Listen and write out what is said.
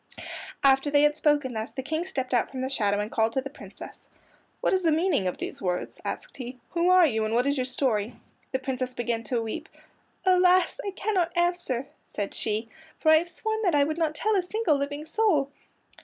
After they had spoken thus the King stepped out from the shadow and called to the Princess. "What is the meaning of these words?" asked he. "Who are you, and what is your story?" The Princess began to weep. "Alas, I cannot answer," said she, "for I have sworn that I would not tell a single living soul."